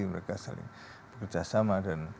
mereka saling bekerjasama dan